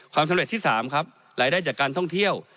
สำเร็จที่๓ครับรายได้จากการท่องเที่ยว